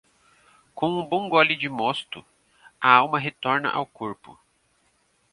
Com um bom gole de mosto, a alma retorna ao corpo.